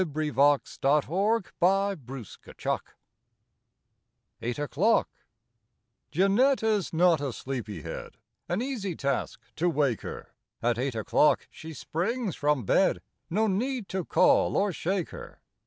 1 A PARIS PAIR A PARIS PAIR EIGHT O'CLOCK J EANETTE is not a sleepy head; An easy task, to wake her! At eight o'clock she springs from bed No need to call or shake her.